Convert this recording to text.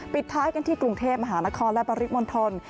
ปิดท้ายกันที่กรุงเทพมหานครและปริมณฑล